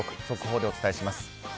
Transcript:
速報でお伝えします。